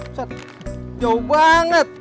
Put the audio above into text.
ustaz jauh banget